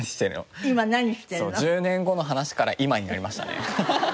１０年後の話から今になりましたね。